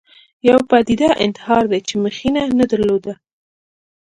یوه پدیده انتحار دی چې مخینه نه درلوده